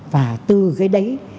và tư cái đấy